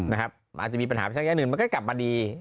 อาจจะมีปัญหาไปสักแค่หนึ่งมันก็กลับมาดี